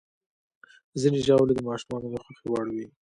ځینې ژاولې د ماشومانو د خوښې وړ وي.